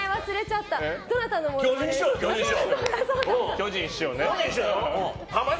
巨人師匠や。